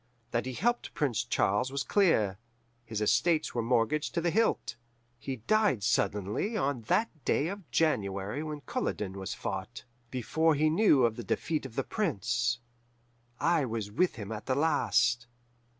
That he helped Prince Charles was clear: his estates were mortgaged to the hilt. "He died suddenly on that day of January when Culloden was fought, before he knew of the defeat of the Prince. I was with him at the last.